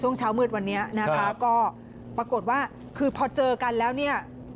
เช้ามืดวันนี้นะคะก็ปรากฏว่าคือพอเจอกันแล้วเนี่ย